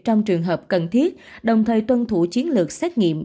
trong trường hợp cần thiết đồng thời tuân thủ chiến lược xét nghiệm